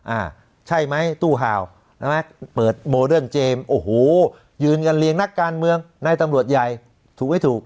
เอ่อใช่ไหมตู้ฮาวนะเปิดมโรเดิ้นเจมส์โอ้โหยืนกันเรียงนักการเมืองนายตำโหลดใหญ่ถูกไว้ถูก